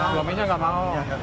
suaminya nggak mau